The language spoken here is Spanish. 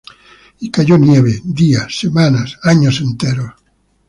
Y cayó nieve; días, semanas, años enteros.